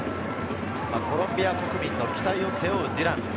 コロンビア国民の期待を背負うデュラン。